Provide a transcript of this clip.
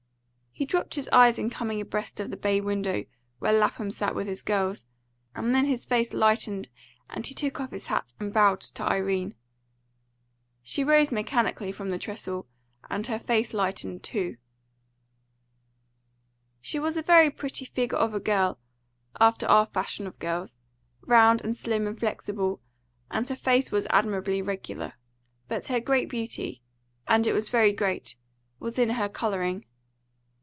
He dropped his eyes in coming abreast of the bay window, where Lapham sat with his girls, and then his face lightened, and he took off his hat and bowed to Irene. She rose mechanically from the trestle, and her face lightened too. She was a very pretty figure of a girl, after our fashion of girls, round and slim and flexible, and her face was admirably regular. But her great beauty and it was very great was in her colouring.